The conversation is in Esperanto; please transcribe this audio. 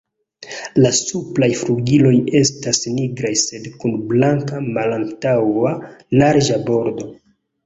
La supraj flugiloj estas nigraj sed kun blanka malantaŭa larĝa bordo.